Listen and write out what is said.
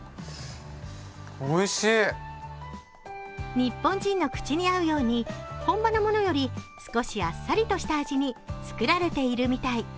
日本人の口に合うように本場のものより少しあっさりとした味に作られているみたい。